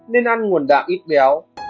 nên ăn nguồn đạm ít béo